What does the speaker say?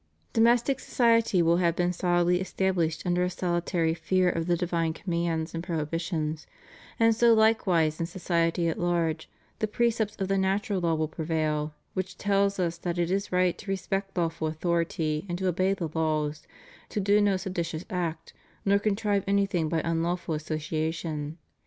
Do mestic society will have been soUdly established under a salutary fear of the divine commands and prohibitions; and so likewise in society at large, the precepts of the natural law will prevail, which tells us that it is right to respect lawful authority, and to obey the laws, to do no seditious act, nor contrive anything by unlawful associa tion.